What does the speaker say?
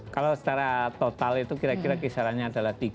kalau secara total itu kira kira kisarannya adalah tiga